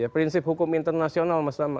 prinsip hukum internasional mas tama